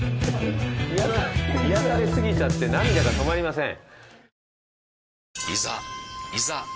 癒やされ過ぎちゃって涙が止まりません。